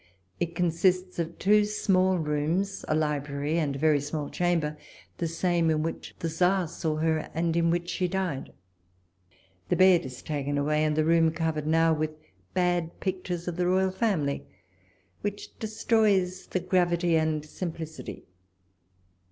It consists of two small rooms, a library, and a very small chamber, the same in which the Czar saw her, and in which she died. The bed is taken away, and the room covered now with bad pic l^ures of the royal family, which destroys the 116 ■ WALl'OLE S LETTERS. gravity and simplicity.